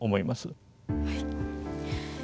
はい。